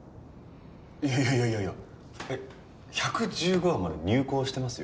いやいやいやいやいやえっ１１５話まで入稿してますよ？